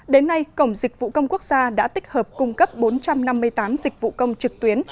đến nay cổng dịch vụ công quốc gia đã tích hợp cung cấp bốn trăm năm mươi tám dịch vụ công trực tuyến